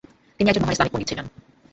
তিনি একজন মহান ইসলামিক পণ্ডিত ছিলেন।